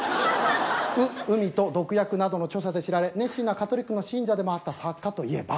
「う」『海と毒薬』などの著者で知られ熱心なカトリックの信者でもあった作家といえば？